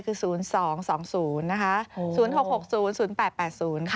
คือ๐๒๒๐